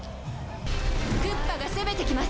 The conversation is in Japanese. クッパが攻めてきます。